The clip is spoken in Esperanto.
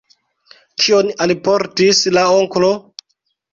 Kion alportis la onklo?